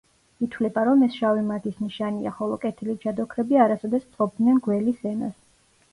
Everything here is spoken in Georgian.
ითვლება, რომ ეს შავი მაგის ნიშანია, ხოლო კეთილი ჯადოქრები არასოდეს ფლობდნენ გველის ენას.